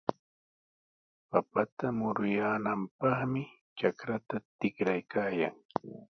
Papata muruyaananpaqmi trakrta tikraykaayan.